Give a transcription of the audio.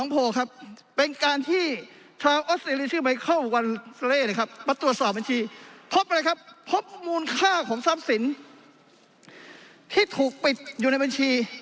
มาตรวจสอบบัญชีพบอะไรครับพบมูลค่าของทรัพย์สินที่ถูกปิดอยู่ในบัญชี